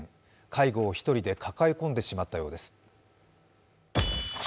介護を一人で抱え込んでしまったようです。